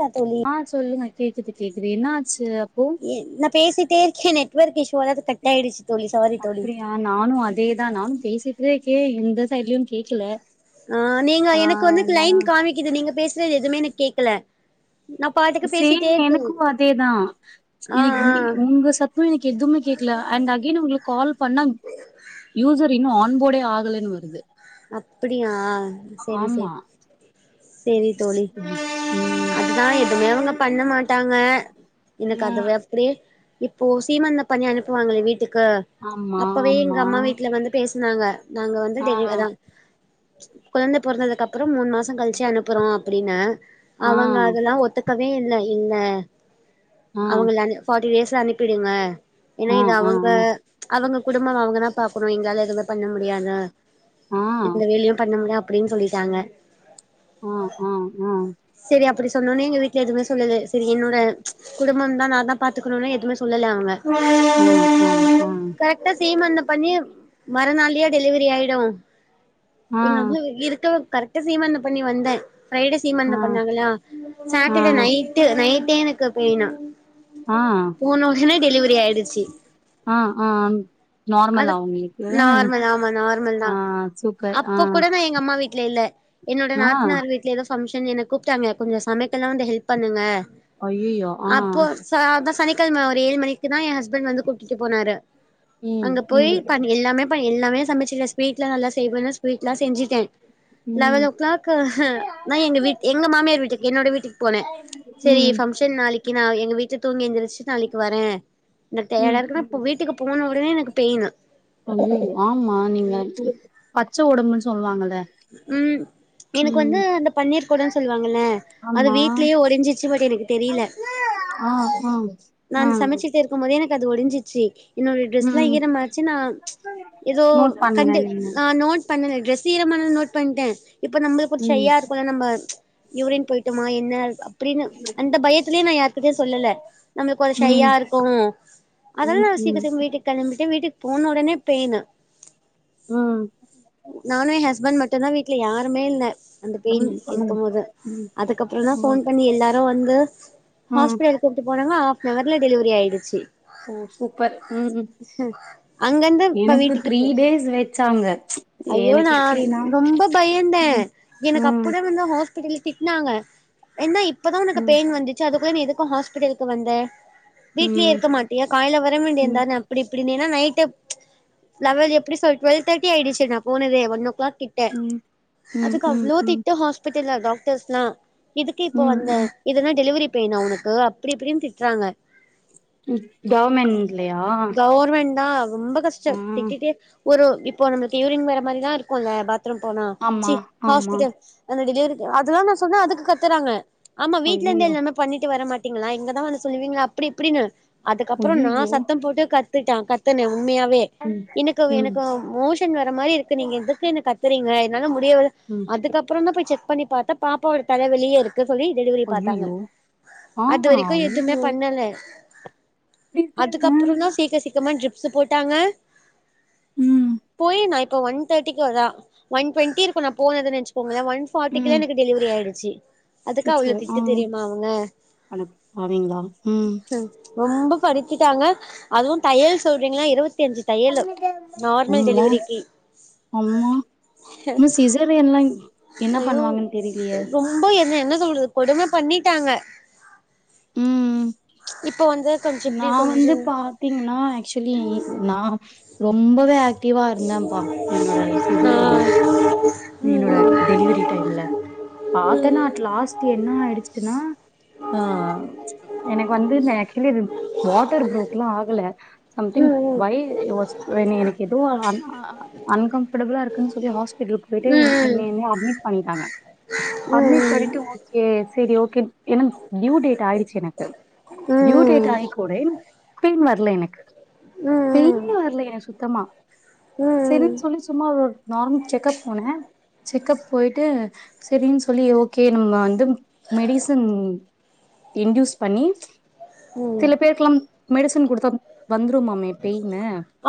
மா தோழி ஆ சொல்லுங்க கேக்குது கேக்குது என்னாச்சு அப்போ நா பேசிட்டேருக்கே நெட்வொர்க் இஷ்யூவால அது கட் ஆயிடுச்சு தோழி சாரி தோழி ஆ நானு அதேதா நானு பேசிட்டேருக்கே எந்த சைட்லயு கேக்கல ஆ நீங்க ஆ எனக்கு வந்து அதுதா க்ளைன்ட் காமிக்கிது நீங்க பேசுறது எதுமே எனக் கேக்கல நா பாட்டுக்கு பேசிட்டே சேம் இருக்கே எனக்கு அதேதா எ ஆ எ ஆ இந்த சத்தோ எனக்கு எதுமே கேக்கல அண்ட் அத் ஏ நா உங்குளுக் கால் பண்ணா யூசர் இன்னு ஆன்போர்டே ஆகலன்னு வருது அப்பிடியா செரி செரி ஆமா செரி தோழி ம் ம். அதுதா எதுமே அவுங்க பண்ண மாட்டாங்க எனக்கு ஆ அது வப்டே இப்போ சீமந்த பண்ணி அனுப்புவாங்களே வீட்டுக்கு ஆமா அப்பவே எங்க ஆமா அம்மா வீட்ல வந்து பேசுனாங்க நாங்க வந்து ஆ டெலிவர் அதா கொழந்த பொறந்ததுக்கு அப்புறோ மூணு மாசோ கழிச்சு அனுப்புறோ அப்டின்னு ஆ அவங்க அதுல்லா ஒத்துக் கவே இல்ல இந்த ஆ அவங்களனு ஃபார்ட்டி டேஸ்ல அனுப்பிடுங்க ஏனா ஆ இது ஆ அவங்க ஆ அவுங்க குடும்பம் அவங்கதா பாக்குணு எங்களால எதுவு பண்ண முடியாதா ஆ எந்த வேலையு பண்ண முல்ல அப்டின் சொல்லிட்டாங்க ஆ ஆ ஆ செரி அப்புடி சொன்னவுன்னே எங்க வீட்ல எதுவுமே சொல்லல்ல செரி என்னோட குடும்பம் தா நா தா பாத்துக்கணுணே எதுவுமே சொல்லல அவங்க அ அ அ கரெக்டா சீமந்தம் பண்ணி மறு நாள்லயே டெலிவரி ஆயிடு எங்க [unintelligible] இருக்க கரெக்டா சீமந்தம் பண்ணி வந்தே ஃப்ரைடே ஆ சீமந்தம் பண்ணாங்களா ஆ சாட்டடே நைட் நைட்டே எனக்கு பெயினு ஆ போன ஒடனே டெலிவரி ஆயிடுச்சு ஆ ஆம் அதுக் நார்மல் ஆமா நார்மல் தா ஆ சூப்பர் ஆ அப்போ கூட நா எங்க அம்மா வீட் வீட்ல இல்ல என்னோட ஆ நாத்தனார் வீட்ல ஏதோ பங்க்ஷன்னு என்ன கூப்ட்டாங்க கொஞ்சோ சமைக்கலான்ட்டு ஹெல்ப் பண்ணுங்க ஐயயோ ஆ அப்போ ச அதா சனிக்கெழம ஒரு ஏழு மணிக்கிதா எ ஹஸ்பண்ட் வந்து கூட்டிட்டு போனாரு ம் அங்க போய் ம் பண் எல்லாமே பண் எல்லாமே சமைச்சிட்ட ஸ்வீட்லா நல்லா செய்வேன்னு ஸ்வீட்லா செஞ்சுட்டே ம் ம் லெவல்லோ ஓ கிளாக்கு நா எங்க வீட் எங்க மாமியார் வீட்டுக் என்னோட வீட்டுக்கு போனே சேரி ஃபங்க்ஷன் நாளைக் கீ நா எங்க வீட்ல தூங்கி எந்துருச்சு நாளைக்கு வர எனக் டயடா ம் இருக்குன்னா இப்போ வீட்டுக்கு போன ஒடனே எனக் கு பெயினு ஆமா நீங்க ஏக்சுவலி பச்ச ஒடம்புன் சொல்வாங்கள்ல ம் எனக்கு வந்து அந்த பன்னீர் கொடோன் சொல்லுவாங்கல்ல அது ஆமா வீட்லயே ஒடஞ்சிருச்சு பட் எனக்கு தெரியில ஆ ஆ நா ஆ அந்த சமைச்சுட்டு இருக்கு போதே எனக்கு அது ஒடிஞ்சிருச்சு என்னொட ட்ரெஸ்லா ம் ஈற மாச்சு நா ஒதோ நோட் பண்ணுங்க கண்டு நீங்க நா நோட் பண்ணல டிரெஸ்சு ஈரமானது நோட் பண்டே இப்ப நம்மளுக்கு ம் ஷய்யா இருக்குல்ல நம்ம யூரின் போயிட்டமா என்ன அப்டின்னு அந்த பயத்திலியே நா யார்கிட்டயு சொல்லல நம்மளுக்கு ஒரு ம் ஷய்யா இருக்கு ம் அதெல்லா ம் [unintelligible] வீட்டுக் கெளம்பிட்டு வீட்டுக் போன ஒடனே பெயினு ம் நானு ஏ ஹஸ்பண்ட் மட்டுதா வீட்ல யாருமே இல்ல அந்த பெயின் ம் இருக்கும் போது ம் அதுக்கப்பறந்தா ம் ஃபோன் பண்ணி எல்லாரு வந்து ம் ஹாஸ்பிட்டல் கூட்டு போனாங்க ஹாஃப்னவர்ல டெலிவரி ஆயிடுச்சு ஓ சூப்பர் ம் அங்கருந்து இப்ப எனக்கு வீட்டுக்கு த்ரீ போ டேஸ் வெச்சாங்க ஐயோ எனக்கு நா எப்டின்னா ரொம்ப பயந்த ம் எனக்கு ம் அப்டே வந்து ஹாஸ் பிட்டல்ல திட்னாங்க ஏன்னா இப்பதா உனக்கு ம் பெயின் வந்துச்சு அதுக்குல்ல நீ எதுக்கு ஹாஸ்பிட்டலுக்கு வந்த வீட்டிலேயே ம் இருக்க மாட்டியா காலைல வர ம் வேண்டியந்தானம் இப்டி பிடிந்தின்னா நைட்டு லெவல் எப்டி சொல் டுவெல் தோட்டி ஆயிடுச்சு நா போனதே ஒன் ஓ கிளாக் கிட் ட்ட ம் ம் ம் அதுக்கு ம் அவ்வளோ ம் திட்டு ஹாஸ் பிட்டல்ல டாக்டர்ஸ்லா எதுக்கு இப்போ வந்த ம் ம் இது என்ன டெலிவரி பெய்னா உனக்கு அப்புடி இப்புடின் திட் ச்சாங்க கவர்மெண்ட்லயா கவர்மெண்ட்தா ரொம்ப கஷ் ச்ச ஆ திட்டிட்டே ஒரு இப்போ நம்மளுக்கு யூரின் வர்ற மாரிலா இருக்குல்ல பாத் த்ரூம் போனா ஆமா ச்சி ஆமா ஹாஸ்பிட்டல் அந்த டெலிவரி அதல்லா நா சொன்னா அதுக்கு கத்துறாங்க அம்மா வீட்ல இருந்து ஐயயோ எல்லாமே பண்ணிட்டு வர மாட்டீங்களா இங்கதா வந்து சொல்லுவீங்களா அப்புடி இப்புடின்னு அதுக்கப்பறோ நா ஐயயோ சத்தம் போட்டு கத்துட்டா கத்துன உண்மியாவே ம் எனக்கு ம் எனக்கு மோஷன் வர மாரி இருக்கு நீங்க எதுக்கு என்ன கத்துறீங்க என்னால முடியவே ம் அதுக்கப்புறந்தா போய் செக் பண்ணி பாத்தா பாப்பாவோட தல வெளிய இருக் க்க சொல்லி டெலிவரி பாத்தாங்க ஐயயோ ஆ அது வரைக்கு எதுவுமே ஐயயோ பண்ணல இப்டி இருக்காங்க அதுக்கப்பறந்தா சீக்க சீக்கிறமா ட்ரிப் ப்ஸ் போட்டாங்க ம் போய் நா இப்போ வந் தேர்டிக்கு தா ஒன் டவெண்டி இருக்கு நா போனதுன்னு வச்சுகோங்கலே ஒன் பார்டிகுலா ம் எனக்கு டெலிவரி ஆயிருச்சு அச்சச்சோ ஆம் அடப்பாவிங்களா ம் ம் ரொம்ப படித்திட்டாங்க அதுவும் தையல் சொல்றீங்கள்ல இருவத்தி அஞ்சு தையலு நார்மல் அம்மா டெலிவரிக்கு அம்மா இன்னு சிசேரியன் எல்லான் என்ன பண்ணுவாங்கன் தெரிலியே ரொம்பா என்ன என்ன சொல்றது கொடும பண்ணிட்டாங்க ம் இப்ப வந்த கொஞ்சோ இப்டி நா வந்து கொஞ்சம் பாத்தீங்கன்னா ஏக்சுவலி நா ரொம்பவே ஏக்டிவா இருந்தேம்பா என்னோட ஆ சிசேரியன்ல ம் என்னோட டெலிவரி டைம்ல பாத்தன்னா அட் லாஸ்ட் என்ன ஆயிடுச்சுன்னா ஆ எனக்கு வந்து இந்த ஏக்சுவலி இது வாட்டர் புரோக்லா ஆகல ம் சம்திங் ம் வை நீ எனக்கு எதுவு ஆனா அன்கம்பர்டபுலா இருக்குன் சொல்லி ஹாஸ்பிட்டலுக் போயிட்டு ம் என்னமோ அட்மிட் பண்ணிட்டாங்க ம் ம் ம் அட்மிட் பண்ணிட்டு சரி சரி ஓகே எனக்கு டியூ டேட் ஆயிடுச்சு எனக்கு டியூ ம் டேட் ம் ம் ஆக கூட பெயின் வரல எனக்கு பெயின் வரலையா சுத்தமா ம் சரின் ம் சொல்லி சும்மா ஒரு நார்மல் செக்கப் போனே செக்கப் போயிட்டு சரின் சொல்லி ஓகே நம்ம வந்து மெடிசின் இன்டியுஸ் பண்ணி ம் சில ம் பேருக்குலா மெடிசின் குடுப் வந்துருமா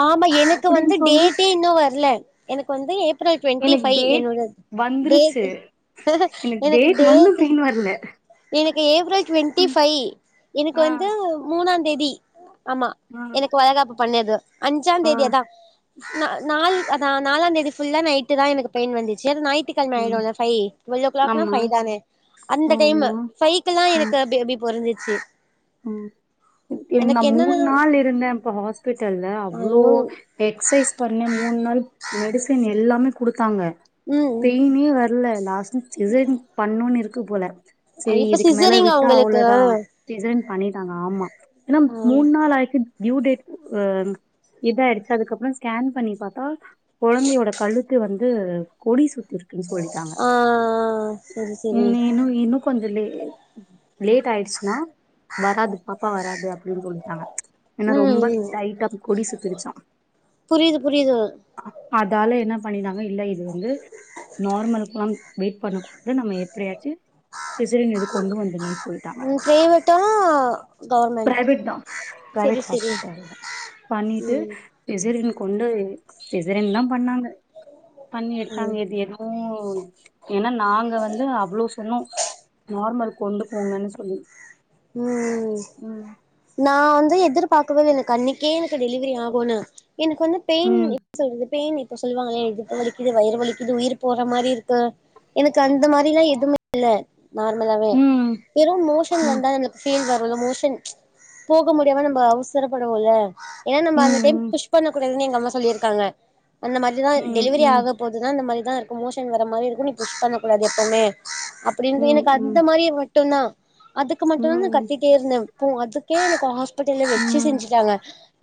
ஆமா எனக்கு வந்து சொல்லி டேட்டே இன்னு வரல எனக்கு வந்து ஏப் ரல் டுவெண்ட்டி எனக்கு ஃபைவ் டேட் என்னோட டேட் வந்துருச்சு எனக்கு டேட் வந்து டேட்டே பெயின் வரல எனக்கு ஏப்ரல் டுவெண்டி ஃபைவ் எனக்கு ஆ வந்து மூணாந்தேதி ஆமா ம் வழகாப்பு பண்ணது அஞ்சா தேதிதா நா நாள் நா நாலாந்தேதி புல்லா நைட்டு தா எனக்கு பெயின் வந்துச்சு அத நைட்டு [unintelligible] ம் டுவல் ஓ க்ளாக்னா ஆமா ஃபைவ் தானே அந்த டைம்மு ஆமா ஃபைவ்குல்லா ம் எனக்கு பேபி பொறந்துருச்சு ம் நா மூணு என்னன்னா நாள் இருந்தே இப்ப ஹாஸ்பிட்டல்ல அவ்ளோ ஐயோ எக்ஸசைஸ் பண்ண மூண் நாள் மெடிசின் எல்லாமே குடுத்தாங்க ம் பெயினே வர இல்ல லாஸ்ட சிசேரியன் பண்ணும்ன்னு இருக்கு போல சரி இப்ப இதுக்கு மேல சிசரிங்கா விட்டா உங்களுக்கு அவ்ளதா சிசேரியன் பண்ணிட்டாங்க ஆமா ஏன்னா ஆ மூணு நாள் ஆயக்கு ட்யூ டேட் ஆ இது ஆயிடுச்சு அதுக்கப்பற ஸ்கேன் பண்ணி பாத்தா கொழந்தையோட கழுத் த்து வந்து கொடி சுத்தி இருக்குன்னு சொல்லி டாங்க ஆ செரி செரி நேனு இன்னு கொஞ்ச லே லேட் ஆயிடுச்சுன்னா வராது பாப்பா வராது அப்படின்னு சொல்லிட்டாங்க என்னா ம் ரொம்ப ம் டைட்டா கொடி சுத்திக்குச்சா புரியுது புரியுது அதால என்ன பண்ணிடாங்க இல்ல இது வந்து நார்மலுக்குல்லா வெயிட் பண்ண கூடாது நம்ம எப்படியாச்சு சிசரியன் இது கொண்டு வந்தணும்ன்னு சொல்லிட்டாங்க [unintelligible] கவர்மெண்ட் பி்ரைவேட் தா செரி ப்ரைவேட் செரி ஹாஸ்பிட்டல்ல பண்ணிட்டு ம் சிசேரியன் கொண்டு சிசேரியன் தா பண்ணாங்க பண்ணி எடுத்தாங்க எது எதோ ஓ ஏனா நாங்க வந்து அவ்ளோ சொன்னோ நார்மல் கொண்டு போங்கன் சொல்லி ம்ம் ம் நா வந்து எதிர்பார்க்கவே இல்ல எனக்கு அன்னைக்கே எனக்கு டெலிவரி ஆகுனு எனக்கு வந்து பெயின் ம் சொல்றதுப்ப நீ இப்ப சொல்லுவாங்களே இடுப்பு வலிக்குது வயிறுலிக்குது உயிர் போற மாரி இருக்கு எனக்கு அந்த மாரிலா எதுவுமே இல்ல நார்மலாவே ம் வெறும் மோஷன் ம் வந் ந்த பீல் வரும்ல மோஷன் போக முடியாம நம்ம அவசரப்படுவோல ஏன் நாம அந்தடைம் ம் புஷ் பண்ணக் கூடாதுன்னு எங்க அம்மா சொல்லியிருக்காங்க அந்த மாதிரிதா ம் டெலிவரி ம் ஆக போக ன இந்த மாரிதா இருக்கு மோஷன் வர மாரி இருக்கு நீ புஷ் பண்ணக்கூடாது எப்பவுமே ம் அப்டினு எனக்கு அந்த ம் மாரியே மட்டுந்தா க்கு மட்டுந்தா நா ம் கத்திட்டே இருந்தே போ அதுக்கே எனக்கு ஹாஸ்பிட்டல்ல ம் வச்சு ம் செஞ்சுட்டாங்க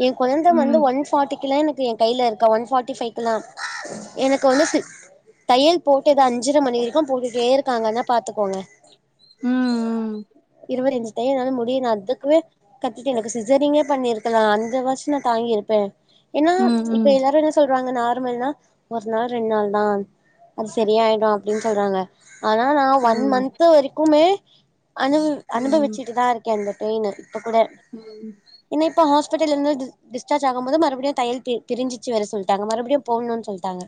ஏ கொழந்த வந்து ம் ஒன் ஃபாட்டிக்குலா எனக்கு எ கையில இருக்கா ஒன் ஃபாட்டி ஃபைவ்க்குலா எனக்கு வந்து தையல் போட்டது அஞ்சரை மணி வரைக்கு போட்டுட்டே இருக்காங்கன்னா பாத்துக்கோங்க ம் இது வேர தையம்னாலு முடியல அதுக்கு கத்திட்டு எனக்கு சிசரிங்கே பண்ணிருக்லா அந்த வாச்சு நா தாங்கி இருப்பே ஏனா ம் இப்ப எல்லாரு என்ன சொல் சொல்றாங்க நார்மல்னா ஒரு நாள் ரெண்டு நாள் தா அது சரியாயிடு அப்டின் சொல்றாங்க அதா நா ஒன் ம் மந்த் வரைக்குமே அனுப் ம் அனுபவிச்சுட்டுதா இருக்கே அந்த பெயினு இப்ப கூட ம் என்னய இப்ப ஹஸ்பிட்டல்ல இருந்து டிஸ் டிஸ்சார்ஜ் ஆகும்போதும் மறுபடியு தையல் பி பிரிஞ்சுச்சு வேற சொல்ட்டாங்க மறுபடியு போட்ணுன் சொல்ட்டாங்க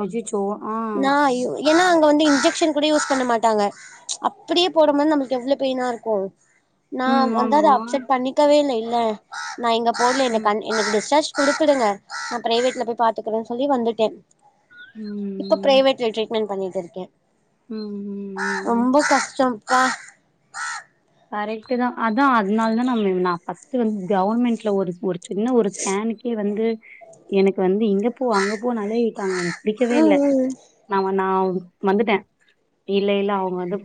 அச்சச்சோ ஆ ஏனா அங்க வந்து இன்ஜெக்ஷன் கூட யூஸ் பண்ண மாட்டாங்க அப்டியே போடும்போது நம்மள்க் கு எவ்ள பெயினா இருக்கு நா ம் வந்து அத ஆமா அப்செட் பண்ணிக்கவே இல்ல இல்ல நா இங்க போட்ல எனக்கு ம் கன் எனக்கு டிஸ்ஜார்ஜ் குடுத்துடுங்க நா பிரைவேட்ல போய் பாத்துக்குறே சொல்லி வந்துட்டே ம் இப்ப பிரவேட்ல ட்ரீட்மெண்ட் பண்ணிட்டு இருக்கே ம்ம் ரொம்ப கஷ்டம்பா கரெக்ட் தா அதா அதுனால தா நம்ம நா ஃபர்ஸ்ட் வந்து கவர்மெண்ட்ல ஒரு ஒரு சின்ன ஒரு ஸ்கேனுக்கே வந்து எனக்கு வந்து இ இங்க போ அங்க போனு அலைய விட்டாங்க எனக்கு பிடிக்கவே இல்ல ம் ம் நா வ நா வந்துட்டே இல்ல இல்ல அவுங்க வந்து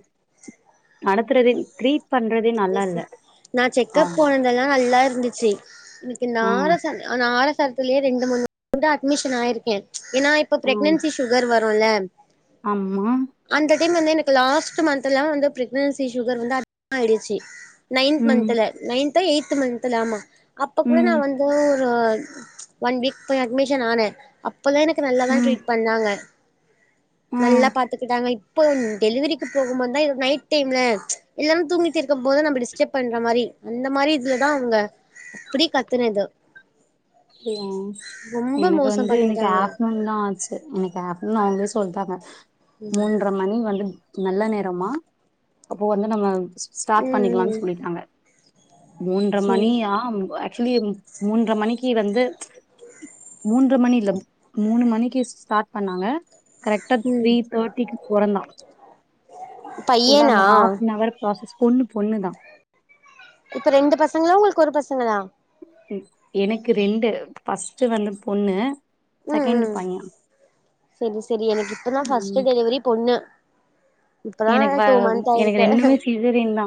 நடத்துறதே ட்ரீட் பண்றதே [inaudible] நல்லா இல்ல பேசு நா செக்கப் அவங்க போனதெல்லா நல்லா இருந்துச்சு எனக்கு ம் நாரசந்த் நாரசத்துலே ரெண்டு மூணு [inaudible] அட்மிஷன் ஆயிருக்கே ஏனா இப்ப ம் பிரெக்னன்சி சுகர் வருல்ல ஆமா அந்த டைம் வந்து எனக்கு லாஸ்ட் மந்த்லா வந்து பிரக்னன்சி சுகர் வந்து அதிகமா ஆயிடுச்சு நைன்த் ம் மந்த்ல நைன்தோ எய்த்து மந்த்ல ஆமா அப்ப கூட நா ம் வந் ஒ ரோ ஒன் வீக் போய் அட்மிஷன் ஆனே அப் அப்பலா எனக்கு நல்லாதா ம் ட்ரீட் பண்ணாங்க நல்லா ம் பாத்துகிட்டாங்க இப் இப்போ டெலிவரிக்கு போகும்போதா எனக்கு நைட் டைம்ல இல்லாம தூங்கிட்டு இருக்கும் போது நம்ம டிஸ்டப் பண்ற மாரி அந்த மாரி இதுலதா அவங்க அப்டி கத்துனது அப்டியா ரொம்ப எனக்கு மோசோ வந்து எனக்கு பண்ணிட்டாங்க ஆப்ட்னூன்தா ஆச்சு எனக்கு ஆப்னூன் [unintelligible] சொல்றாங்க மூன்ற மணி வந்து நல்ல நேரமா அப்போ வந்து நம்ம ஸ்டார்ட் ம் பண்ணிக்கலானு ம் சொல்லிட்டாங்க மூன்ற சரி மணியா சிலிம் மூன்ற மணிக்கு க்கி வந்து மூன்ற மணி இல்ல மூணு மணிக்கு ஸ்டார்ட் பண்ணாங்க கரெக்டா ம் த்ரி தேர்டிக்கு பொறந்தா உள்ள பையனா அந்த ஹாஃபனவர் ப்ராசஸ் பொண்ணு பொண்ணுதா இப்ப ரெண்டு பசங்களா உங்ளுக்கு ஒரு பசங்களா ம் எனக்கு ரெண்டு ஃபர்ஸ்ட் வந்து பொண்ணு ம் செகண்டு் ம் பைய செரி செரி எனக்கு இப்ப தா ஃபர்ஸ்ட்டு ம். டெலிவரி பொண்ணு இப்பதா எனக்கு வ டூ மந்த் எனக்கு ஆயிருக்கு ரெண்டுமே சிசரியேன் தா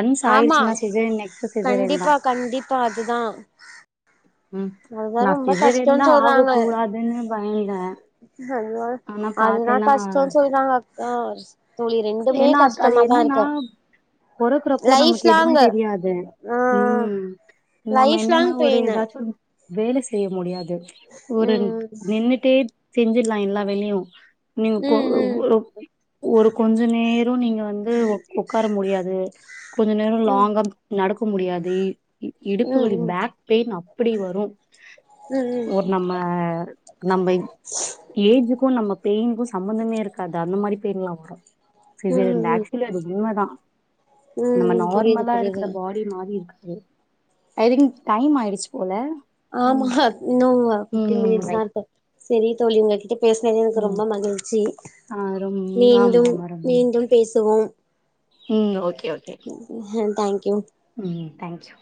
ஒன்ஸ் ஆமா ஆயிருச்சுனா சிசேரியன் நெக்ஸ்ட் சிசேரியன் தா கண்டிப்பா கண்டிப்பா அது தா ம் நா சிசேரியன்தா கஷ்டோன்னு ஆக கூடாதுனு பயந்தே அய்யோ அதுதா கஷ்டோனு சொல்லறாங்க அக்கா தோழி ரெண்டுமே ஏனா அது கஷ்டமாதா என்னன்னா இருக்கு பொறக்குறப்போ லைஃப் நமக்கு எதுமே லாங்கு தெரியாது ஆ ம் நம்ம லைஃப் என்னன்னா லாங் ஒரு பெயினு எதாச்சு ஒன் வேல செய்ய முடியாது ஒரு ம் நின்னுட்டே செஞ்சிருலா எல்லா வேலையு நீங்க கொ ம் ம் ஒரு ஒரு கொஞ்சோ நேரோ நீங்க வந்து ஒக்கார முடியாது கொஞ்சோ நேரோ ம் லாங்கா நடக்க முடியாது இடுப்பு ம் ம் வலி ம் பேக் பெயின் அப்டி வரு ம் ம் நம்ம நம்ம ஏஜுக்கு நமக்கு பெயின்க்கு சம்பந்தமே இருக்காது அந்த மாரி பெயினெல்லா வரு ம் சிசேரியன் ம் ம் ஆக்சுவலி அது உண்மைதா நம்ம ம் புரியுது நார்மலா இருக்கிற புரியுது பாடி மாரி இருக்காது ஐதிங்க் டைம் ஆயிடுச்சு போல ஆமா ம் இன்னு பிப்டீன் ம் பை. மினிட்ஸ்தா இருக்கு செரி தோழி உங்ககிட்ட பேசுனதுக்கு எனக்கு ம் ரொம்ப மகிழ்ச்சி ஆ ரொம் ஆமா மீண்டும் ஆமா ரொம்ப நன் மீண்டும் பேசுவோம் ம் ஓகே ஓகே ம் தேங்க்யூ ம் தேங்க் யூ